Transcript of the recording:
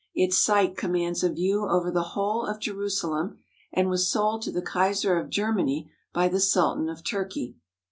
Its site commands a view over the whole of Jerusalem and was sold to the Kaiser of Germany by the Sultan of Turkey.